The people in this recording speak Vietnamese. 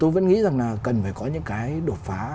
tôi vẫn nghĩ rằng là cần phải có những cái đột phá